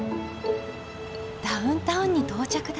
ダウンタウンに到着だ。